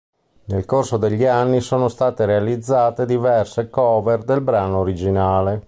Nel corso degli anni sono state realizzate diverse cover del brano originale.